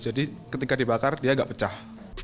jadi ketika dibakar dia agak pecah